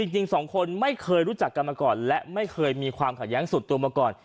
จริงสองคนไม่เคยรู้จักกันมาก่อนและไม่เคยมีความขัดแย้งส่วนตัวมาก่อน